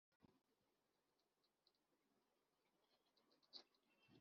mvuga izina ryawe cyangwa mu ijwi riranguruye ntatekereje rwose